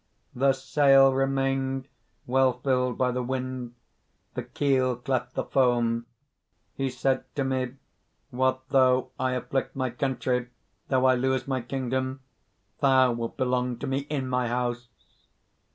"The sail remained well filled by the wind; the keel cleft the foam. He said to me: 'What though I afflict my country, though I lose my kingdom! Thou wilt belong to me, in my house!'